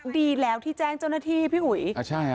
ดีแล้วที่แจ้งเจ้าหน้าที่พี่อุ๋ย